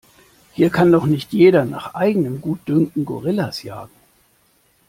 Hier kann doch nicht jeder nach eigenem Gutdünken Gorillas jagen!